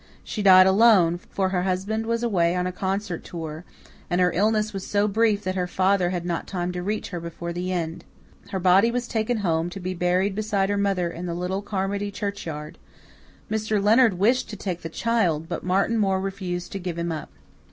She died alone, for her husband was away on a concert tour, and her illness was so brief that her father had not time to reach her before the end. Her body was taken home to be buried beside her mother in the little Carmody churchyard. Mr. Leonard wished to take the child, but Martin Moore refused to give him up.